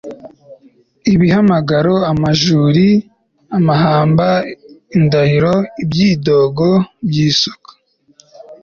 ibihamagaro, amajuri, amahamba, indahiro, ibyidogo by'isuka